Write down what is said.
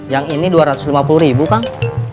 yang ini dua ratus lima puluh ribu kang